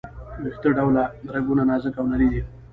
ویښته ډوله رګونه نازکه او نري دي.